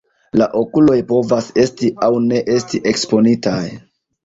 La okuloj povas esti aŭ ne esti eksponitaj.